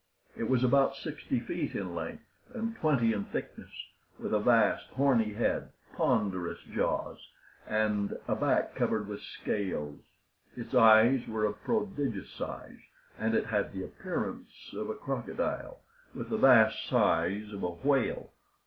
It was about sixty feet in length and twenty in thickness, with a vast horny head, ponderous jaws, and back covered with scales. Its eyes were of prodigious size, and it had the appearance of a crocodile, with the vast size of a whale.